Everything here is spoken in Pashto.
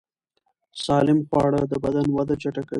سالم خواړه د بدن وده چټکوي.